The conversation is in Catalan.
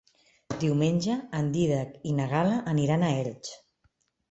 Diumenge en Dídac i na Gal·la aniran a Elx.